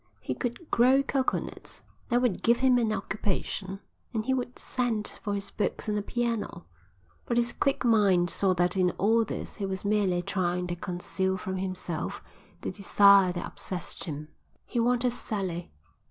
He could grow coconuts; that would give him an occupation; and he would send for his books and a piano; but his quick mind saw that in all this he was merely trying to conceal from himself the desire which obsessed him. He wanted Sally.